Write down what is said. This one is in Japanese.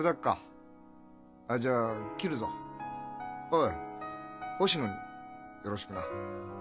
おい星野によろしくな。